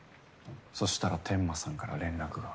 そしたら天間さんから連絡が。